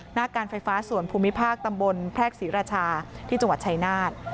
หน้าการไฟฟ้าส่วนภูมิภาคตำบลแพรกศรีราชาที่จังหวัดชายนาฏ